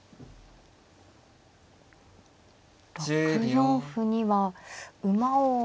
６四歩には馬を。